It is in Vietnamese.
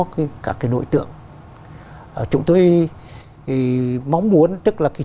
cái cả cái nội tượng chúng tôi thì mong muốn tức là cái